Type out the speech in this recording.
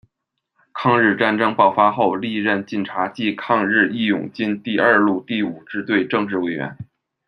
抗日战争爆发后，历任晋察冀抗日义勇军第二路第五支队政治委员。